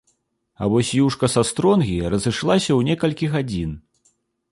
А вось юшка са стронгі разышлася ў некалькі гадзін.